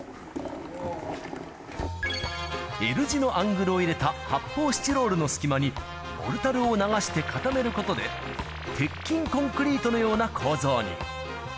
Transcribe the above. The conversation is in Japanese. Ｌ字のアングルを入れた発泡スチロールの隙間に、モルタルを流して固めることで、鉄筋コンクリートのような構造に。